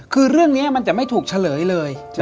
คือเรื่องนี้มันจะไม่ถูกเฉลยเลย